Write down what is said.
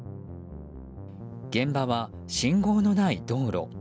現場は信号のない道路。